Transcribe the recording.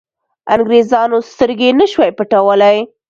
انګرېزانو سترګې نه شوای پټولای.